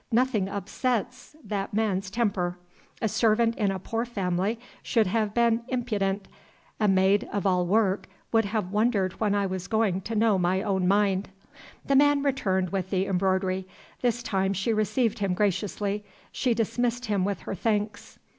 Nothing upsets that man's temper. A servant in a poor family should have been impudent; a maid of all work would have wondered when I was going to know my own mind." The man returned with the embroidery. This time she received him graciously; she dismissed him with her thanks.